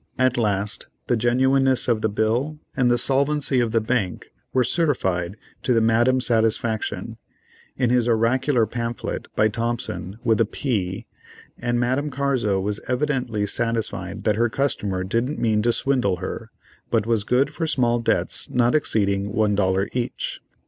At last the genuineness of the bill and the solvency of the bank were certified to the Madame's satisfaction, in his oracular pamphlet, by Thompson with a "p," and Madame Carzo was evidently satisfied that her customer didn't mean to swindle her, but was good for small debts not exceeding one dollar each.